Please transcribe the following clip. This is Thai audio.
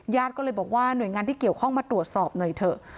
ญาติก็เลยบอกว่าหน่วยงานที่เกี่ยวข้องมาตรวจสอบหน่อยเถอะ